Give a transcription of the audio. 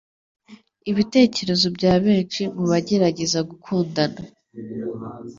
Ibitekerezo bya benshi mu bagerageza gukundana